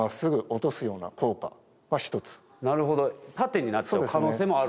縦になっちゃう可能性もある。